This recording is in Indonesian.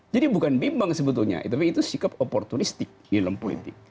jadi bukan bimbang sebetulnya tapi itu sikap oportunistik di dalam politik